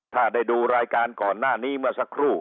ถ้าได้ดูรายการก่อนหน้านี้เมื่อสักครู่